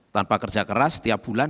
tanpa kerja keras setiap bulan